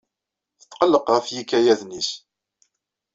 Tetqelleq ɣef yikayaden-is.